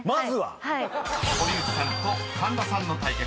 ［堀内さんと神田さんの対決］